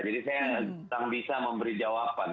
jadi saya tidak bisa memberi jawaban